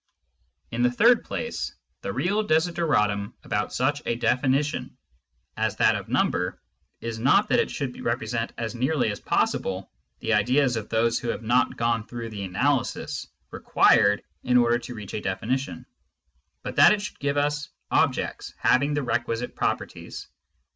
In the third place, the real desideratum about such a definition as that of number is not that it should repre sent as nearly as possible the ideas of those who have not gone through the analysis required in order to reach a definition, but that it should give us objects having the requisite properties.